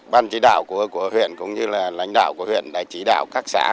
ban chỉ đạo của huyện cũng như là lãnh đạo của huyện đã chỉ đạo các xã